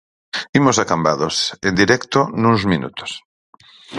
Imos a Cambados, en directo, nuns minutos.